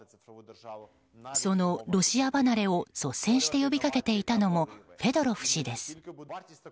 そのロシア離れを率先して呼びかけていたのもフェドロフ氏です。